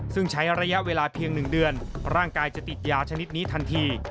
ซึ่งใช้ระยะเวลาเพียง๑เดือนร่างกายจะติดยาชนิดนี้ทันที